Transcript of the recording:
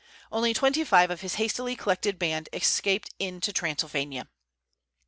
Only twenty five of his hastily collected band escaped into Transylvania.